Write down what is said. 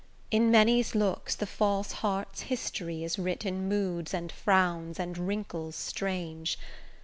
In many's looks, the false heart's history Is writ in moods, and frowns, and wrinkles strange.